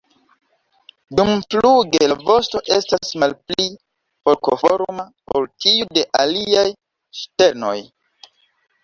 Dumfluge la vosto estas malpli forkoforma ol tiu de aliaj ŝternoj.